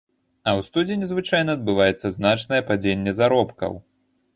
А ў студзені звычайна адбываецца значнае падзенне заробкаў.